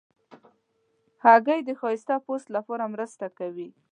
هګۍ د ښایسته پوست لپاره مرسته کوي.